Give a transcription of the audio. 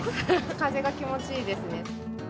風が気持ちいいですね。